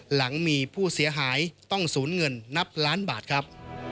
หลังมีผู้เสียหายต้องสูญเงินนับล้านบาทครับ